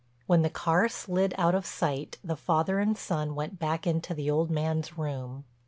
When the car slid out of sight the father and the son went back into the old man's room.